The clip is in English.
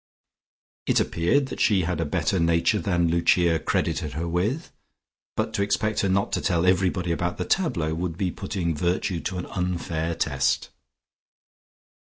It appeared that she had a better nature than Lucia credited her with, but to expect her not to tell everybody about the tableaux would be putting virtue to an unfair test.